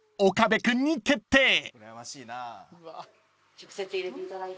直接入れていただいて。